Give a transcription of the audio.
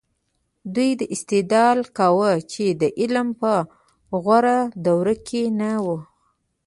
دوی استدلال کاوه چې دا علم په غوره دوره کې نه و.